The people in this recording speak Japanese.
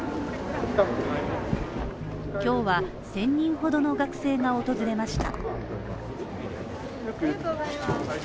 今日は１０００人ほどの学生が訪れました。